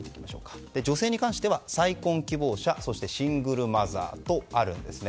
女性に関しては再婚希望者そしてシングルマザーとあるんですね。